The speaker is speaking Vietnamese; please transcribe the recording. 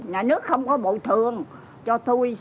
nhà nước không có bộ thường cho tôi